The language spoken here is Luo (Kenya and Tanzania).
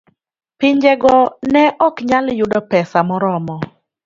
Pinjego ne ok nyal yudo pesa moromo